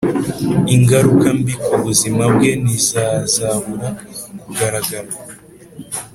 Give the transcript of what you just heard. Ingaruka mbi ku buzima bwe ntizazabura kugaragara